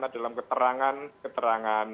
atau dalam keterangan keterangan